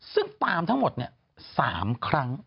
ซึ่งตามทั้งหมด๓ครั้ง